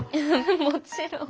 もちろん。